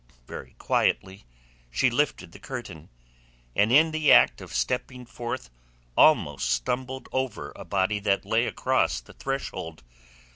Very quietly she lifted the curtain, and in the act of stepping forth almost stumbled over a body that lay across the threshold.